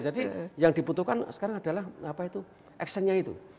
jadi yang dibutuhkan sekarang adalah actionnya itu